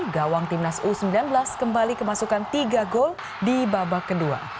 gawang timnas u sembilan belas kembali kemasukan tiga gol di babak kedua